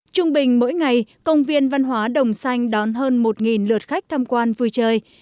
trung bình mỗi ngày công viên văn hóa đồng xanh đón hơn một lượt khách tham quan vui chơi